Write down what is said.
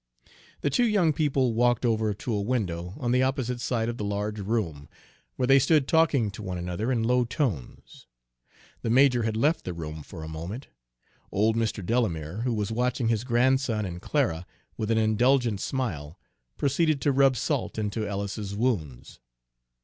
The two young people walked over to a window on the opposite side of the large room, where they stood talking to one another in low tones. The major had left the room for a moment. Old Mr. Delamere, who was watching his grandson and Clara with an indulgent smile, proceeded to rub salt into Ellis's wounds.